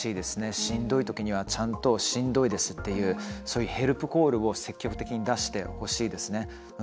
しんどいときにはちゃんと、しんどいですってヘルプコールを積極的に出してほしいですね。